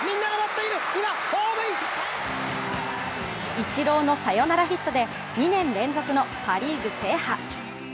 イチローのサヨナラヒットで２年連続のパ・リーグ制覇。